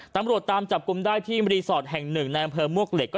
ตำรวจตามจับกลุ่มได้ที่รีสอร์ทแห่งหนึ่งในอำเภอมวกเหล็ก